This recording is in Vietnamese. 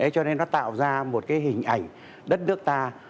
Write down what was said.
cho nên nó tạo ra một cái hình ảnh đất nước ta